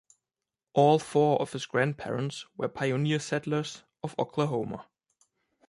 All four of his grandparents were pioneer settlers of Oklahoma.